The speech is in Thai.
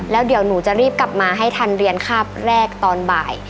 แล้วเดี๋ยวหนูจะรีบกลับมาให้ทันเรียนคาบแรกตอนบ่าย